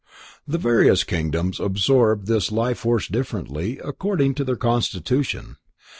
The various kingdoms absorb this life force differently, according to their constitution.